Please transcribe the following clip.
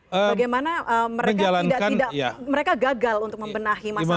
bagaimana mereka gagal untuk membenahi masalah ini